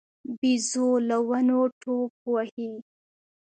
بيزو له ونو ټوپ وهي.